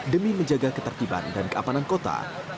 demi menjaga ketertiban dan keamanan kota